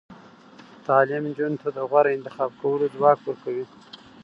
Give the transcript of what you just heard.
تعلیم نجونو ته د غوره انتخاب کولو ځواک ورکوي.